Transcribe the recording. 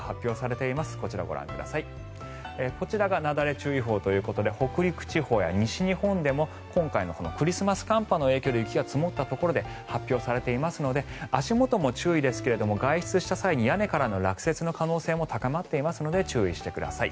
こちらがなだれ注意報ということで北陸地方や西日本でも今回のクリスマス寒波の影響で雪が積もったところで発表されていますので足元も注意ですが外出した際に屋根からの落雪の可能性も高まっていますので注意してください。